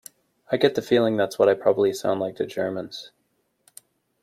I get the feeling that's what I probably sound like to Germans.